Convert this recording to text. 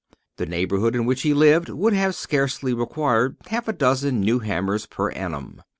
The neighborhood in which he lived would have scarcely required half a dozen new hammers per annum.